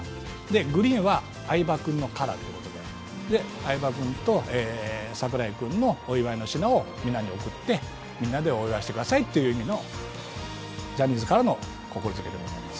グリーンは相葉君のカラーということで相葉君と櫻井君の品をみんなに贈って、みんなでお祝いしてくださいというジャニーズからの心遣いでございます。